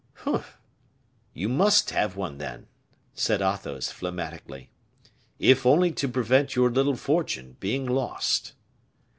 "Humph! you must have one, then," said Athos, phlegmatically, "if only to prevent your little fortune being lost."